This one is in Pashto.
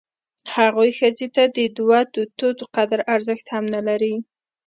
هغوی ښځې ته د دوه توتو قدر ارزښت هم نه لري.